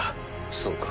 そうか。